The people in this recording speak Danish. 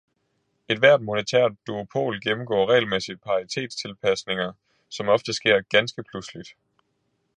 Ethvert monetært duopol gennemgår regelmæssigt paritetstilpasninger, som ofte sker ganske pludseligt.